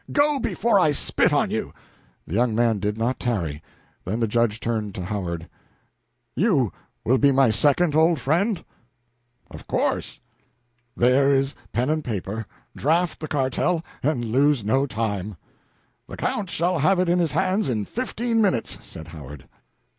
Go before I spit on you!" The young man did not tarry. Then the Judge turned to Howard: "You will be my second, old friend?" "Of course." "There is pen and paper. Draft the cartel, and lose no time." "The Count shall have it in his hands in fifteen minutes," said Howard.